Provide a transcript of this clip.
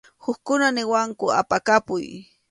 Hukkuna niwanku apakapuy.